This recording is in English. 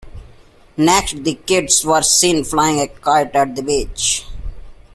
Next the kids were seen flying a kite at the beach.